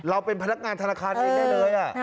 เป็นพนักงานธนาคารเองได้เลย